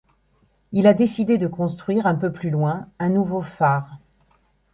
Il a été décidé de construire, un peu plus loin, un nouveau phare.